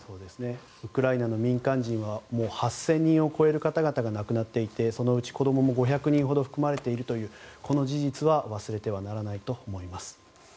ウクライナの民間人は８０００人を超える方々が亡くなっていてそのうち子供も５００人ほど含まれているという事実は忘れてはならないと思います。